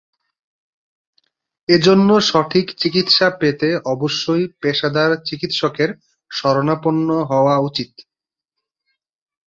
এজন্য সঠিক চিকিৎসা পেতে অবশ্যই পেশাদার চিকিৎসকের শরণাপন্ন হওয়া উচিত।